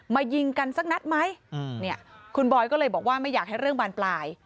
ยิงกันสักนัดไหมเนี่ยคุณบอยก็เลยบอกว่าไม่อยากให้เรื่องบานปลาย